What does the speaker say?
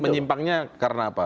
menyimpangnya karena apa